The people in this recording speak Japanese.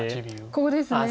ここですね。